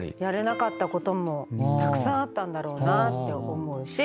やれなかったこともたくさんあったんだろうなって思うし